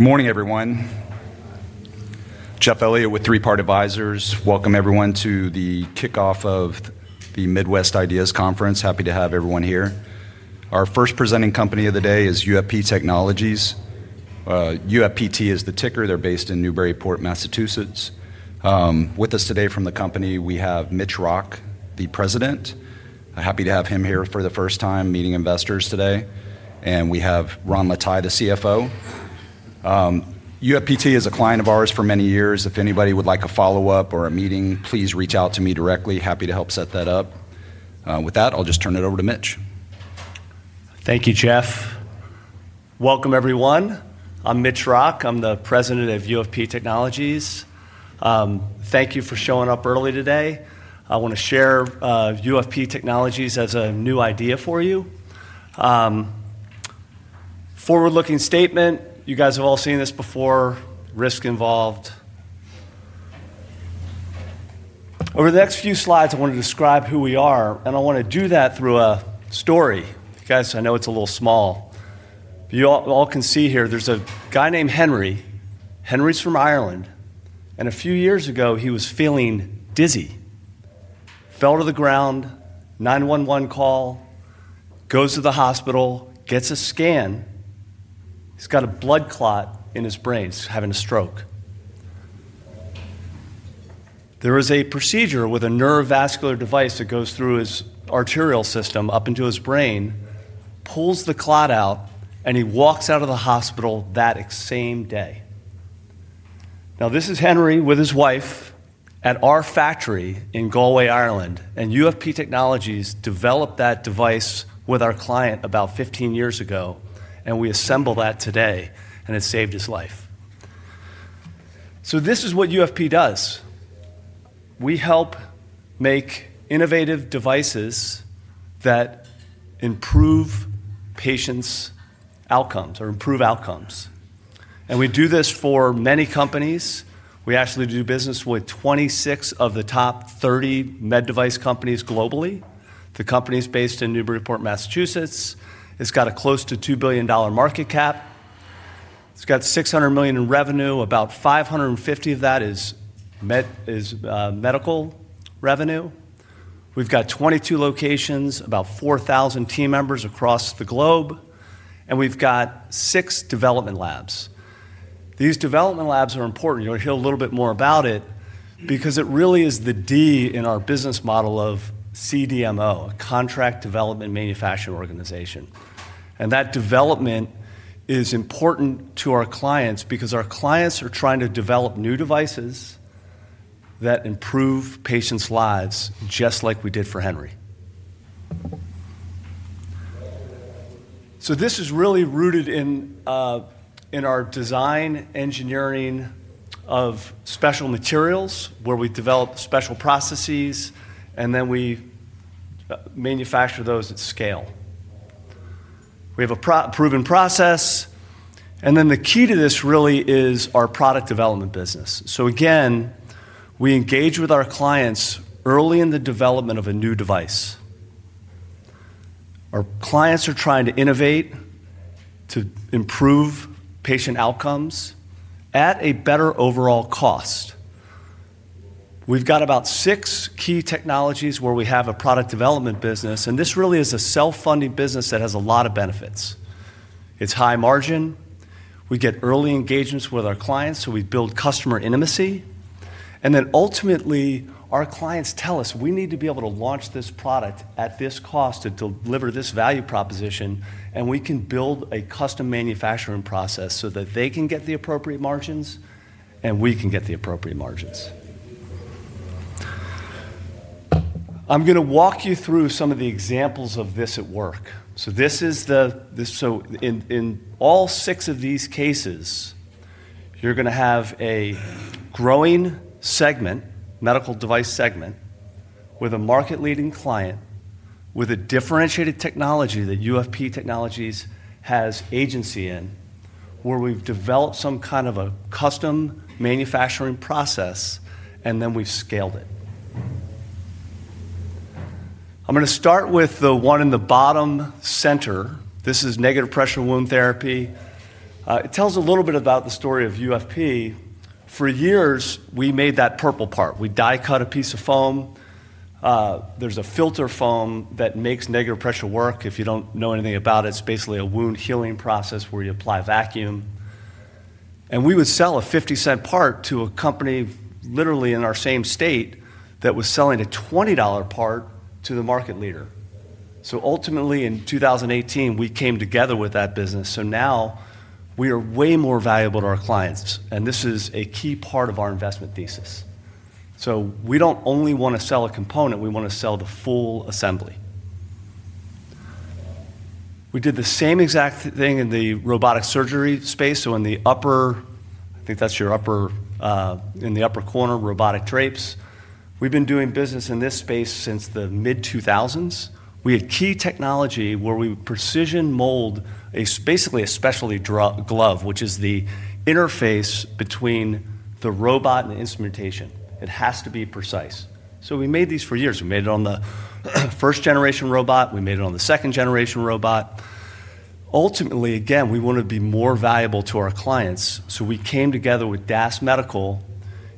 Good morning everyone. Jeff Elliott with Three Part Advisors. Welcome everyone to the kickoff of the Midwest Ideas Conference. Happy to have everyone here. Our first presenting company of the day is UFP Technologies. UFP is the ticker. They're based in Newburyport, Massachusetts. With us today from the company, we have Mitchell Rock, the President. Happy to have him here for the first time meeting investors today. We have Ron Lataille, the CFO. UFPT is a client of ours for many years. If anybody would like a follow-up or a meeting, please reach out to me directly. Happy to help set that up. With that, I'll just turn it over to Mitch. Thank you Jeff. Welcome everyone. I'm Mitchell Rock. I'm the President of UFP Technologies. Thank you for showing up early today. I want to share UFP Technologies as a new idea for you. Forward-looking statement. You guys have all seen this before. Risk involved. Over the next few slides, I want to describe who we are, and I want to do that through a story. I know it's a little small, but you all can see here, there's a guy named Henry. Henry's from Ireland, and a few years ago, he was feeling dizzy, fell to the ground, 911 call, goes to the hospital, gets a scan. He's got a blood clot in his brain. He's having a stroke. There is a procedure with a neurovascular device that goes through his arterial system up into his brain, pulls the clot out, and he walks out of the hospital that exact same day. This is Henry with his wife at our factory in Galway Ireland. UFP Technologies developed that device with our client about 15 years ago, and we assemble that today, and it saved his life. This is what UFP Technologies does. We help make innovative devices that improve patient outcomes or improve outcomes, and we do this for many companies. We actually do business with 26 of the top 30 medical device companies globally. The company is based in Newburyport Massachusetts. It's got a close to $2 billion market cap. It's got $600 million in revenue. About $550 million of that is medical revenue. We've got 22 locations, about 4,000 team members across the globe, and we've got six development labs. These development labs are important. You'll hear a little bit more about it because it really is the D in our business model of CDMO, a Contract Development and Manufacturing Organization. That development is important to our clients because our clients are trying to develop new devices that improve patients' lives just like we did for Henry. This is really rooted in our design engineering of special materials where we develop special processes, and then we manufacture those at scale. We have a proven process, and the key to this really is our product development business. We engage with our clients early in the development of a new device. Our clients are trying to innovate to improve patient outcomes at a better overall cost. We've got about six key technologies where we have a product development business, and this really is a self-funding business that has a lot of benefits. It's high margin. We get early engagements with our clients, so we build customer intimacy. Ultimately, our clients tell us, "We need to be able to launch this product at this cost to deliver this value proposition," and we can build a custom manufacturing process so that they can get the appropriate margins and we can get the appropriate margins. I'm going to walk you through some of the examples of this at work. In all six of these cases, you're going to have a growing segment, medical device segment, with a market-leading client with a differentiated technology that UFP Technologies has agency in, where we've developed some kind of a custom manufacturing process, and then we've scaled it. I'm going to start with the one in the bottom center. This is negative pressure wound therapy. It tells a little bit about the story of UFP. For years, we made that purple part. We die-cut a piece of foam. There's a filter foam that makes negative pressure work. If you don't know anything about it, it's basically a wound healing process where you apply a vacuum. We would sell a $0.50 part to a company literally in our same state that was selling a $20 part to the market leader. Ultimately, in 2018, we came together with that business. Now we are way more valuable to our clients, and this is a key part of our investment thesis. We don't only want to sell a component. We want to sell the full assembly. We did the same exact thing in the robotic surgery space. In the upper, I think that's your upper, in the upper corner of robotic drapes. We've been doing business in this space since the mid-2000s. We had key technology where we would precision mold basically a specialty glove, which is the interface between the robot and the instrumentation. It has to be precise. We made these for years. We made it on the first-generation robot. We made it on the second-generation robot. Ultimately, again, we wanted to be more valuable to our clients. We came together with DAS Medical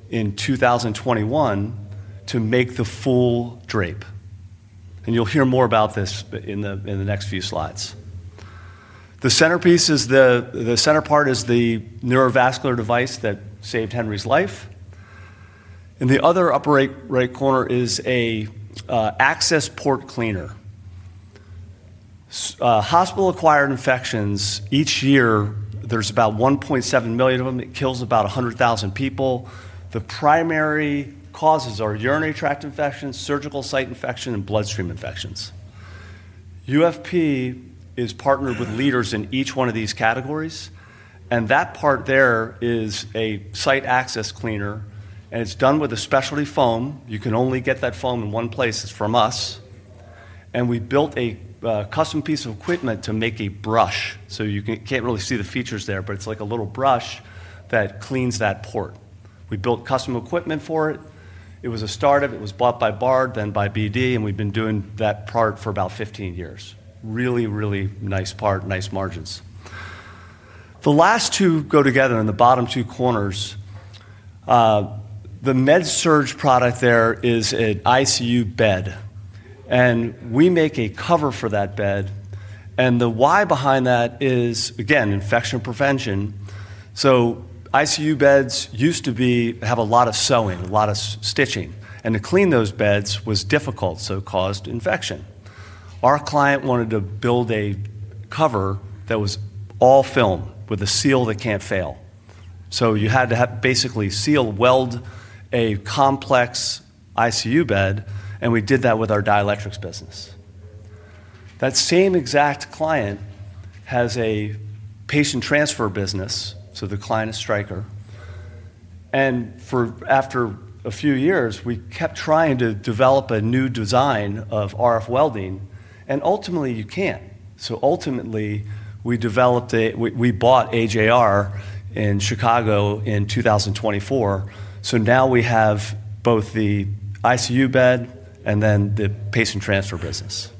in 2021 to make the full drape. You'll hear more about this in the next few slides. The centerpiece is the center part is the neurovascular device that saved Henry's life. In the other upper right corner is an access port cleaner. Hospital-acquired infections, each year, there's about 1.7 million of them. It kills about 100,000 people. The primary causes are urinary tract infections, surgical site infection, and bloodstream infections. UFP is partnered with leaders in each one of these categories. That part there is a site access cleaner, and it's done with a specialty foam. You can only get that foam in one place. It's from us. We built a custom piece of equipment to make a brush. You can't really see the features there, but it's like a little brush that cleans that port. We built custom equipment for it. It was a startup. It was bought by Bard, then by BD, and we've been doing that part for about 15 years. Really, really nice part, nice margins. The last two go together in the bottom two corners. The med surge product there is an ICU bed. We make a cover for that bed. The why behind that is, again, infection prevention. ICU beds used to have a lot of sewing, a lot of stitching. To clean those beds was difficult, so it caused infection. Our client wanted to build a cover that was all film with a seal that can't fail. You had to basically seal weld a complex ICU bed. We did that with our dielectrics business. That same exact client has a patient transfer business. The client is Stryker. After a few years, we kept trying to develop a new design of RF welding. Ultimately, you can't. Ultimately, we developed a, we bought AJR in Chicago in 2024. Now we have both the ICU bed and then the patient transfer business.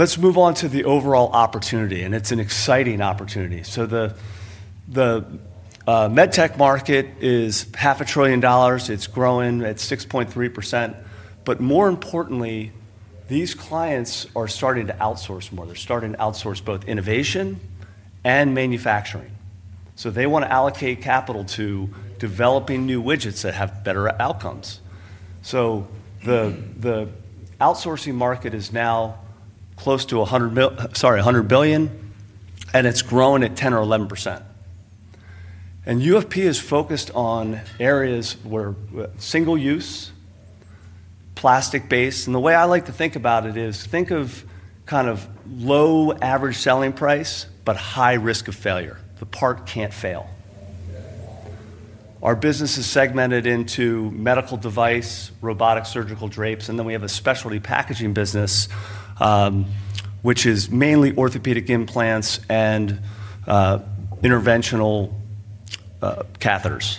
Let's move on to the overall opportunity, and it's an exciting opportunity. The med-tech market is half a trillion dollars. It's growing at 6.3%. More importantly, these clients are starting to outsource more. They're starting to outsource both innovation and manufacturing. They want to allocate capital to developing new widgets that have better outcomes. The outsourcing market is now close to $100 billion, and it's grown at 10% or 11%. UFP is focused on areas where single use, plastic-based. The way I like to think about it is think of kind of low average selling price, but high risk of failure. The part can't fail. Our business is segmented into medical device, robotic surgical drapes, and then we have a specialty packaging business, which is mainly orthopedic implants and interventional catheters.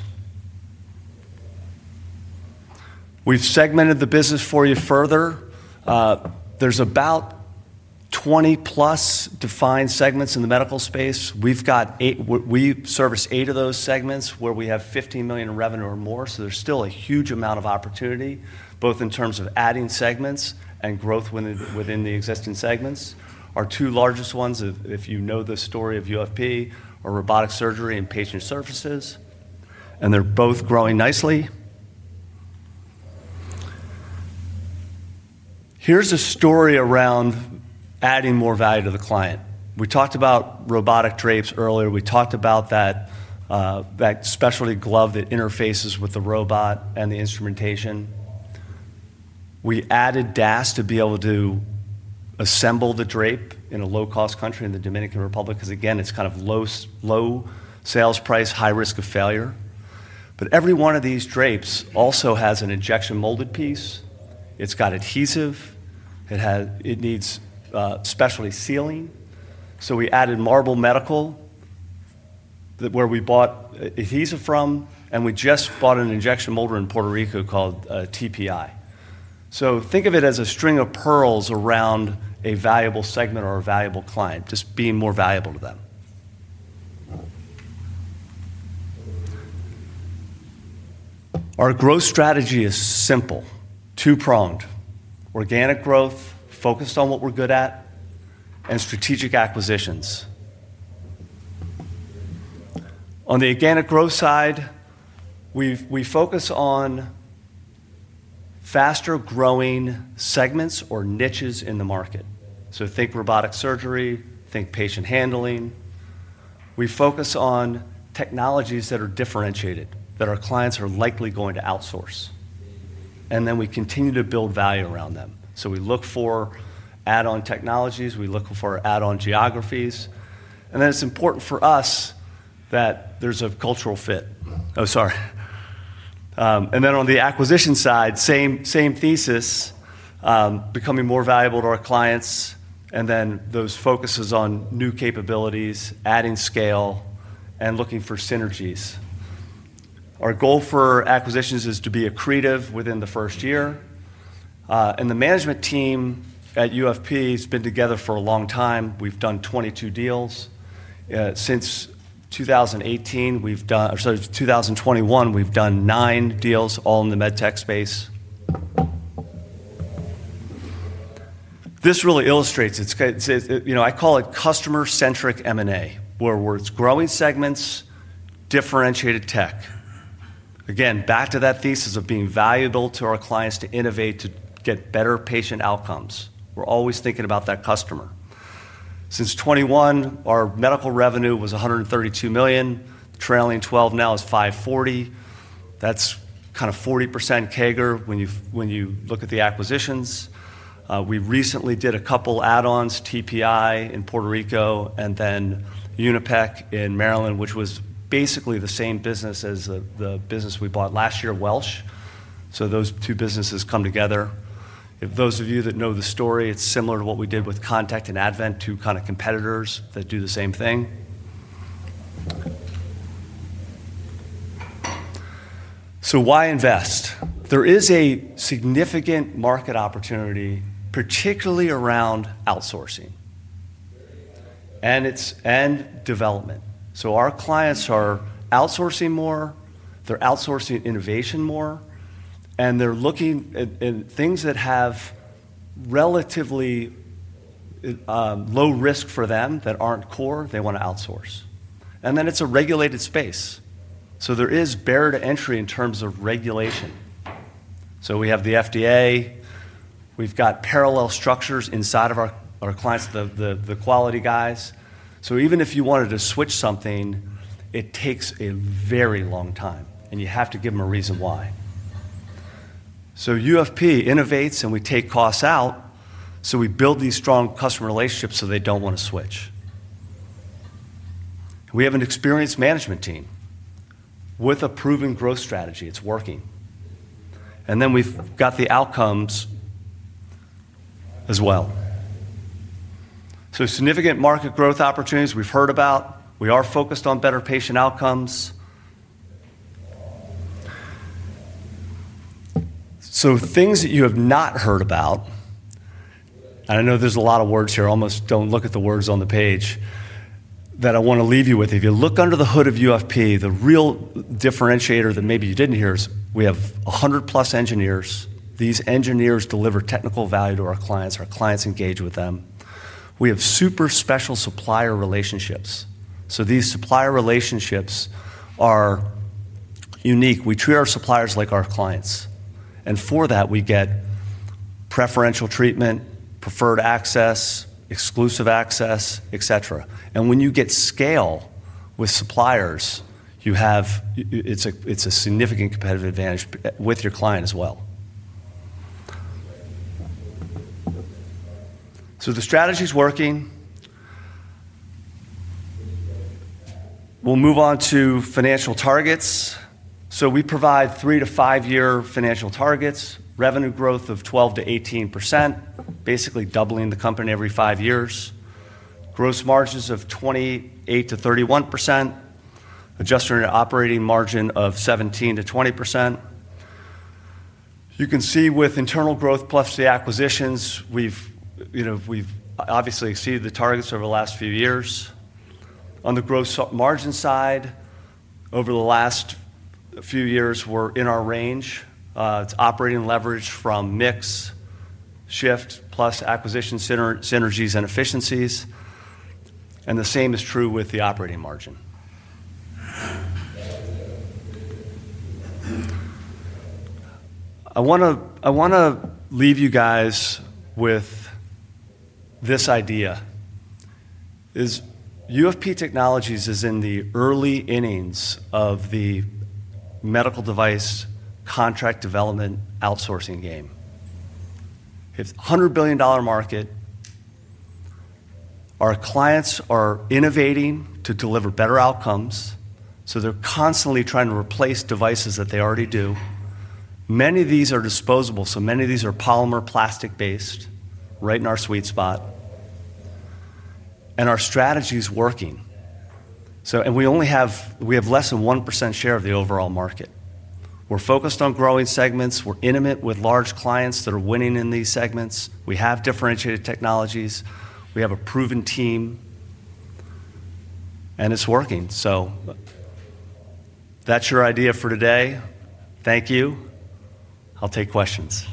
We've segmented the business for you further. There's about 20 plus defined segments in the medical space. We've got eight. We service eight of those segments where we have $15 million in revenue or more. There's still a huge amount of opportunity, both in terms of adding segments and growth within the existing segments. Our two largest ones, if you know the story of UFP Technologies, are robotic surgery and patient services, and they're both growing nicely. Here's a story around adding more value to the client. We talked about robotic surgical drapes earlier. We talked about that specialty glove that interfaces with the robot and the instrumentation. We added DAS Medical to be able to assemble the drape in a low-cost country in the Dominican Republic because, again, it's kind of low sales price, high risk of failure. Every one of these drapes also has an injection-molded piece. It's got adhesive. It needs specialty sealing. We added Marble Medical, where we bought adhesive from. We just bought an injection molder in Puerto Rico called Techno Plastics Industries, or TPI. Think of it as a string of pearls around a valuable segment or a valuable client, just being more valuable to them. Our growth strategy is simple, two-pronged: organic growth, focused on what we're good at, and strategic acquisitions. On the organic growth side, we focus on faster growing segments or niches in the market. Think robotic surgery, think patient handling. We focus on technologies that are differentiated, that our clients are likely going to outsource, and then we continue to build value around them. We look for add-on technologies. We look for add-on geographies. It's important for us that there's a cultural fit. On the acquisition side, same thesis, becoming more valuable to our clients. Those focus on new capabilities, adding scale, and looking for synergies. Our goal for acquisitions is to be accretive within the first year. The management team at UFP Technologies has been together for a long time. We've done 22 deals. Since 2021, we've done nine deals, all in the med tech-space. This really illustrates, I call it customer-centric M&A, where it's growing segments, differentiated tech. Again, back to that thesis of being valuable to our clients to innovate, to get better patient outcomes. We're always thinking about that customer. Since 2021, our medical revenue was $132 million, trailing $12 million. Now it's $540 million. That's kind of 40% CAGR when you look at the acquisitions. We recently did a couple of add-ons, TPI in Puerto Rico and then UNIPEC in Maryland, which was basically the same business as the business we bought last year, Welch.Those two businesses come together. Those of you that know the story, it's similar to what we did with Contact and Advent, two kind of competitors that do the same thing. Why invest? There is a significant market opportunity, particularly around outsourcing and development. Our clients are outsourcing more. They're outsourcing innovation more. They're looking at things that have relatively low risk for them that aren't core, they want to outsource. It is a regulated space. There is barrier to entry in terms of regulation. We have the FDA. We've got parallel structures inside of our clients, the quality guys. Even if you wanted to switch something, it takes a very long time, and you have to give them a reason why. UFP innovates, and we take costs out. We build these strong customer relationships so they don't want to switch. We have an experienced management team with a proven growth strategy. It's working. We've got the outcomes as well. Significant market growth opportunities we've heard about. We are focused on better patient outcomes. Things that you have not heard about, and I know there's a lot of words here. I almost don't look at the words on the page that I want to leave you with. If you look under the hood of UFP Technologies, the real differentiator that maybe you didn't hear is we have 100 plus engineers. These engineers deliver technical value to our clients. Our clients engage with them. We have super special supplier relationships. These supplier relationships are unique. We treat our suppliers like our clients. For that, we get preferential treatment, preferred access, exclusive access, etc. When you get scale with suppliers, it's a significant competitive advantage with your client as well. The strategy is working. We'll move on to financial targets. We provide three to five-year financial targets, revenue growth of 12%-18%, basically doubling the company every five years, gross margins of 28%-31%, adjusted operating margin of 17%-20%. You can see with internal growth plus the acquisitions, we've obviously exceeded the targets over the last few years. On the gross margin side, over the last few years, we're in our range. It's operating leverage from mix shift plus acquisition synergies and efficiencies. The same is true with the operating margin. I want to leave you guys with this idea. UFP Technologies is in the early innings of the medical device contract development outsourcing game. It's a $100 billion market. Our clients are innovating to deliver better outcomes. They're constantly trying to replace devices that they already do. Many of these are disposable. Many of these are polymer plastic-based, right in our sweet spot. Our strategy is working. We have less than 1% share of the overall market. We're focused on growing segments. We're intimate with large clients that are winning in these segments. We have differentiated technologies. We have a proven team. It's working. That's your idea for today. Thank you. I'll take questions.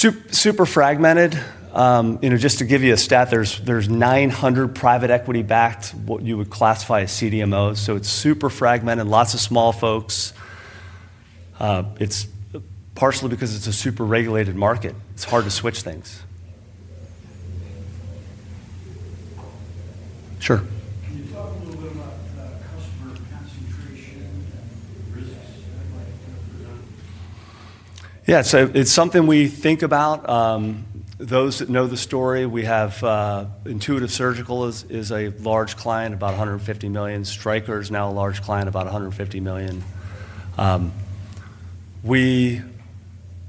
Mitchell, who else is doing this? I mean, it's a big opportunity that must be there. Super fragmented. You know, just to give you a stat, there's 900 private equity-backed what you would classify as CDMOs. It's super fragmented. Lots of small folks. It's partially because it's a super regulated market. It's hard to switch things. Sure. Can you talk a little bit about the customer penetration and the recent? Yeah, so it's something we think about. Those that know the story, we have Intuitive Surgical is a large client, about $150 million. Stryker is now a large client, about $150 million. We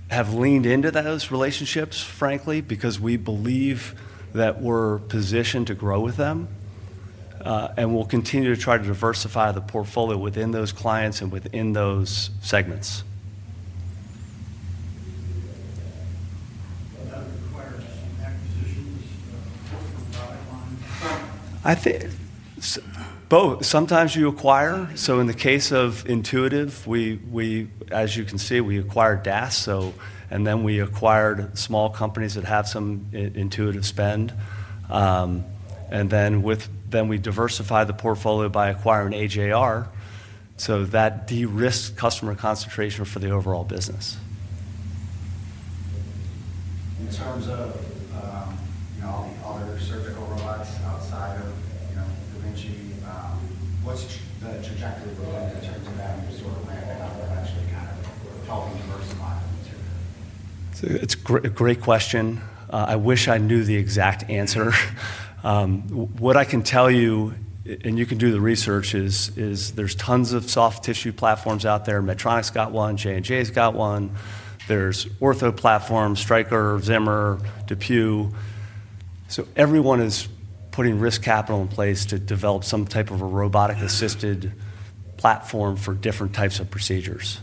have leaned into those relationships frankly, because we believe that we're positioned to grow with them. We'll continue to try to diversify the portfolio within those clients and within those segments. You'll have acquisitions, yeah, both from private clients? Both. Sometimes you acquire. In the case of Intuitive Surgical, as you can see, we acquired DAS Medical. We also acquired small companies that have some Intuitive Surgical spend, and we diversified the portfolio by acquiring AJR. That de-risked customer concentration for the overall business. In terms of all the other surgical robots outside of, you know, Da Vinci, what's the trajectory going in terms of that? You sort of actually kind of how it was first. It's a great question. I wish I knew the exact answer. What I can tell you, and you can do the research, is there's tons of soft tissue platforms out there. Medtronic's got one. J&J's got one. There are ortho platforms, Stryker, Zimmer, DePuy. Everyone is putting risk capital in place to develop some type of a robotic-assisted platform for different types of procedures.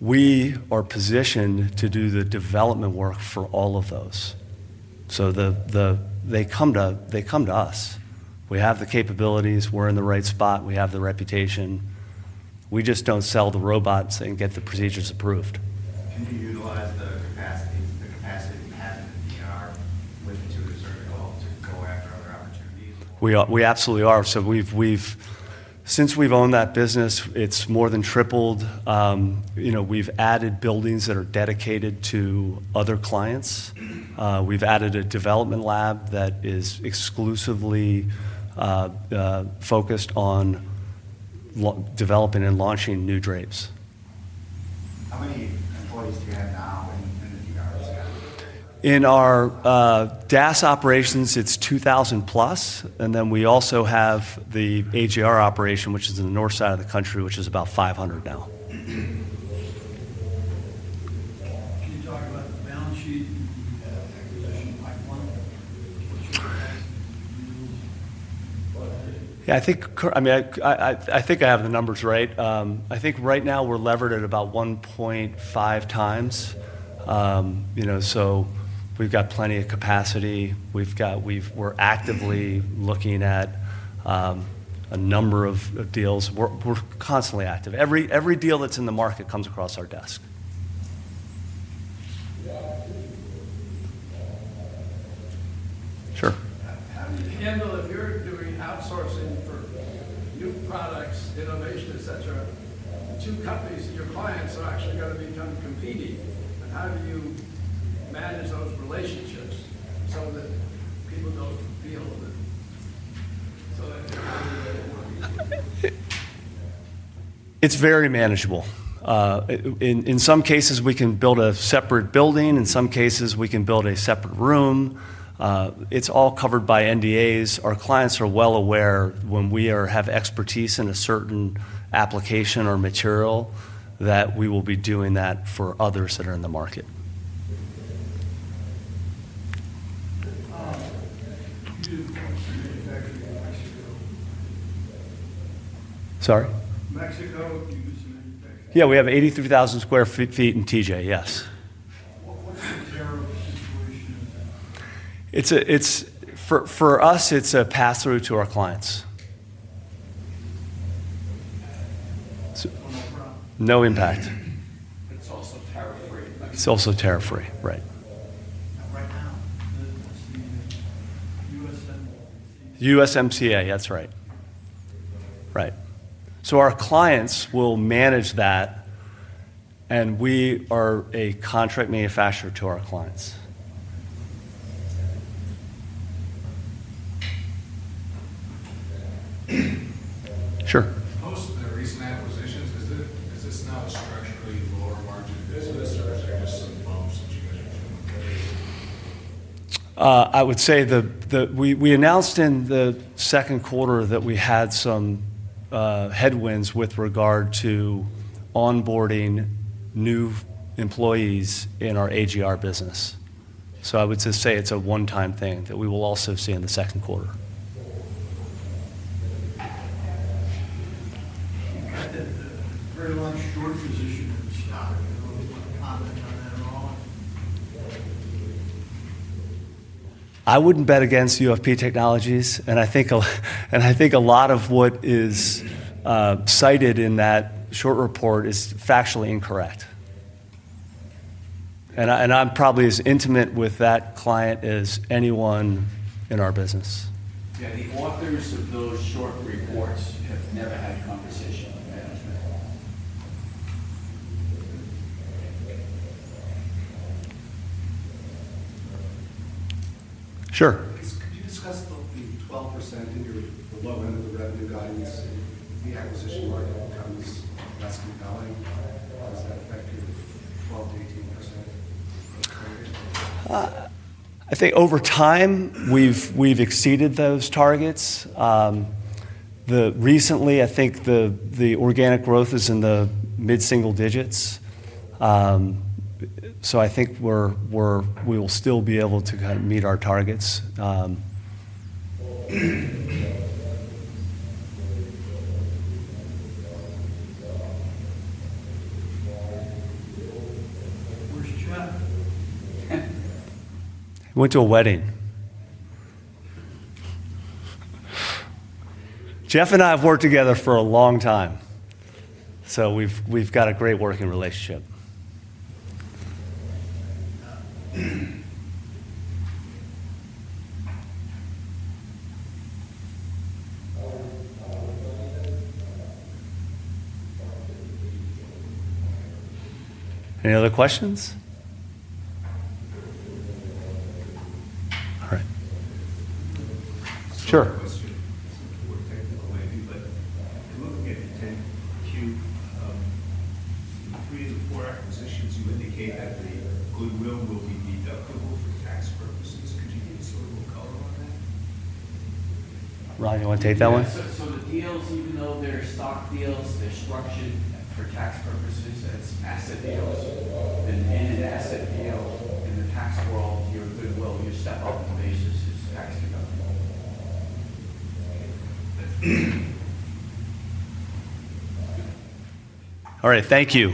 We are positioned to do the development work for all of those. They come to us. We have the capabilities. We're in the right spot. We have the reputation. We just don't sell the robots and get the procedures approved. Can you utilize the capacity you have with Intuitive Surgical as well to go after other opportunities? We absolutely are. Since we've owned that business, it's more than tripled. We've added buildings that are dedicated to other clients, and we've added a development lab that is exclusively focused on developing and launching new drapes. How many employees do you have now in the In our DAS operations, it's 2,000 plus. We also have the AJR operation, which is in the north side of the country, which is about 500 now. Can you talk about the balance sheet and the acquisition? I think I have the numbers right. I think right now we're levered at about 1.5 times. We've got plenty of capacity. We're actively looking at a number of deals. We're constantly active. Every deal that's in the market comes across our desk. Sure. How do you, in the end, though, if you're doing outsourcing for your products, innovation, etc., to companies that your clients are actually going to become competing, how do you manage those relationships so that people don't feel? It's very manageable. In some cases, we can build a separate building. In some cases, we can build a separate room. It's all covered by NDAs. Our clients are well aware when we have expertise in a certain application or material that we will be doing that for others that are in the market. Sorry? Mexico, you just. Yeah, we have 83,000 square feet in TJ, yes. It's for us, it's a pass-through to our clients. No impact. It's also tariff-free, right? USMCA, that's right. Right. Our clients will manage that. We are a contract manufacturer to our clients. Sure. Also, the recent acquisitions, is this now a structurally lower margin? I would say that we announced in the second quarter that we had some headwinds with regard to onboarding new employees in our AJR business. I would just say it's a one-time thing that we will also see in the second quarter. Your position hasn't started. There's a lot of comment on that at all. I wouldn't bet against UFP Technologies. I think a lot of what is cited in that short report is factually incorrect. I'm probably as intimate with that client as anyone in our business. Yeah, the authors of those short reports have never had a conversation on management at all. Sure. Can you discuss the 12% into the low revenue guidance and the acquisition margins? How do you see that's developing? How is that affecting? I think over time, we've exceeded those targets. Recently, I think the organic growth is in the mid-single digits. I think we will still be able to kind of meet our targets. I went to a wedding. Jeff and I have worked together for a long time, so we've got a great working relationship. Any other questions? All right. Sure. By the way, if you come up against a 10-tier brief for acquisitions, you indicate that the goodwill will be deductible for tax purposes. Can you give me a sort of color on that? Ron, you want to take that one? The deals, even though they're stock deals, are structured for tax purposes as an asset. They also are an asset. The deal in the tax law, you're doing well, you step up the basis. It's tax deductible. All right, thank you.